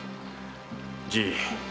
じい。